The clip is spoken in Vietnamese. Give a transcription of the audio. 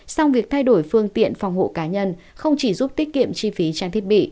song việc thay đổi phương tiện phòng hộ cá nhân không chỉ giúp tiết kiệm chi phí trang thiết bị